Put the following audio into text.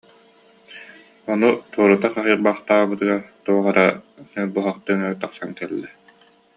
Ону туорута хаһый- бахтаабытыгар туох эрэ ньолбуһахтыҥы тахсан кэллэ